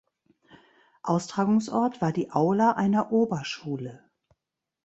Austragungsort war die Aula einer Oberschule.